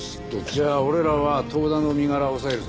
じゃあ俺らは遠田の身柄を押さえるぞ。